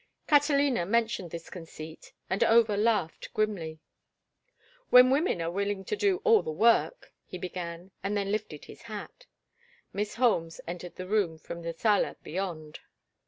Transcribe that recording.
Catalina mentioned this conceit, and Over laughed grimly. "When women are willing to do all the work—" he began, and then lifted his hat. Miss Holmes entered the room from the sala beyond.